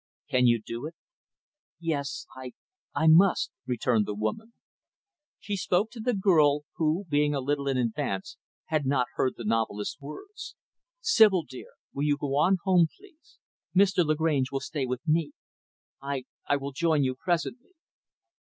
Can you do it?" "Yes. I I must," returned the woman. She spoke to the girl, who, being a little in advance, had not heard the novelist's words, "Sibyl, dear, will you go on home, please? Mr, Lagrange will stay with me. I I will join you presently."